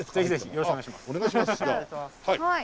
よろしくお願いします。